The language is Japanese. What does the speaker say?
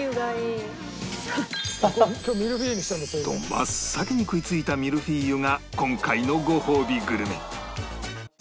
真っ先に食いついたミルフィーユが今回のごほうびグルメ